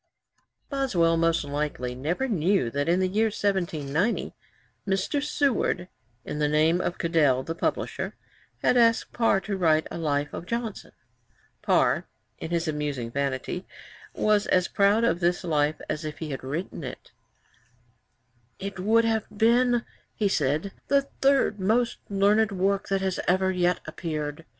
(Page 424.) Boswell most likely never knew that in the year 1790 Mr. Seward, in the name of Cadell the publisher, had asked Parr to write a Life of Johnson. (Johnstone's Life of Parr, iv. 678.) Parr, in his amusing vanity, was as proud of this Life as if he had written it. '"It would have been," he said, "the third most learned work that has ever yet appeared.